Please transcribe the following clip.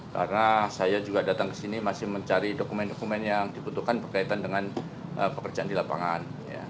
karena saya juga datang ke sini masih mencari dokumen dokumen yang dibutuhkan berkaitan dengan pekerjaan di lapangan